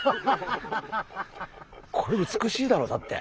これ美しいだろだって。